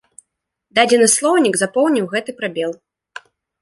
Дадзены слоўнік запоўніў гэты прабел.